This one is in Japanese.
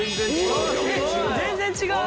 全然違う！